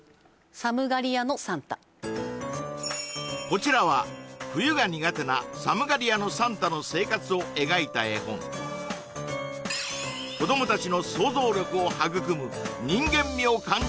こちらは冬が苦手なさむがりやのサンタの生活を描いた絵本子ども達の想像力を育む